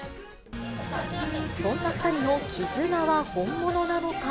そんな２人の絆は本物なのか？